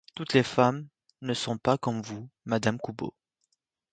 Toutes les femmes ne sont pas comme vous, madame Coupeau.